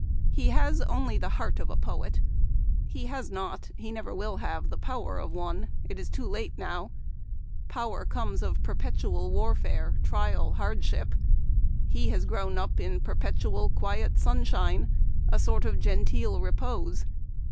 He has only the heart of a poet. He has not, he never will have, the power of one. It is too late now. Power comes of perpetual warfare, trial, hardship ; he has grown up in perpetual quiet, sunshine, a sort of genteel repose.